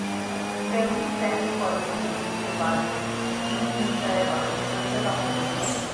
family planning policy میں تبدیلی کے بعد بھی چین میں شرح آبادی مسلسل کم ہو رہی ہے